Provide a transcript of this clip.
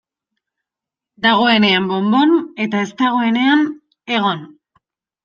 Dagoenean bon-bon, eta ez dagoenean egon.